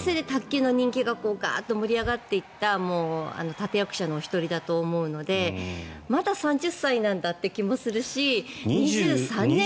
それで卓球の人気がガーッと盛り上がっていった立役者の１人だと思うのでまだ３０歳なんだって気もするし２３年間も。